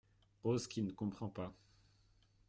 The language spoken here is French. Rose , qui ne comprend pas.